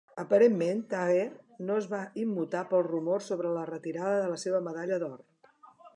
Aparentment, Taher "no es va immutar pels rumors sobre la retirada de la seva medalla d'or".